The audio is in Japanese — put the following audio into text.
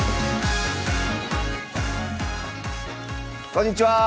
こんにちは。